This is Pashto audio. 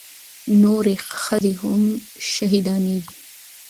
نورې ښځې هم شهيدانېږي.